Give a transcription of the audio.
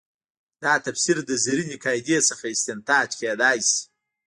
دا تفسیر د زرینې قاعدې څخه استنتاج کېدای شي.